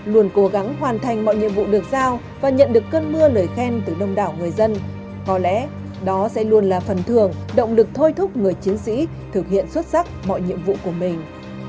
luôn cố gắng hoàn thành mọi nhiệm vụ được giao và nhận được cơn mưa lời khen từ đông đảo người dân có lẽ đó sẽ luôn là phần thường động lực thôi thúc người chiến sĩ thực hiện xuất sắc mọi nhiệm vụ của mình